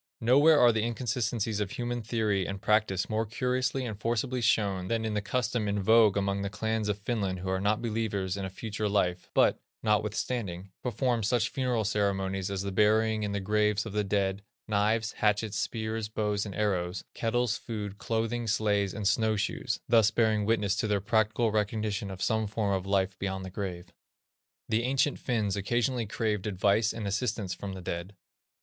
Nowhere are the inconsistencies of human theory and practice more curiously and forcibly shown than in the custom in vogue among the clans of Finland who are not believers in a future life, but, notwithstanding, perform such funereal ceremonies as the burying in the graves of the dead, knives, hatchets, spears, bows, and arrows, kettles, food, clothing, sledges and snow shoes, thus bearing witness to their practical recognition of some form of life beyond the grave. The ancient Finns occasionally craved advice and assistance from the dead.